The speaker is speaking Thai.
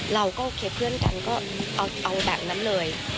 เราก็โอเคเพื่อนกันก็เอาแบบนั้นเลย